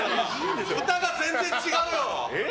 歌が全然違うよ！